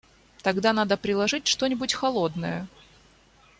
Тогда надо приложить что-нибудь холодное.